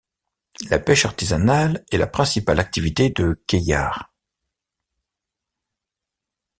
La pêche artisanale est la principale activité de Kayar.